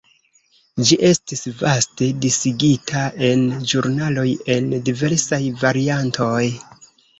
Ĝi estis vaste disigita en ĵurnaloj en diversaj variantoj.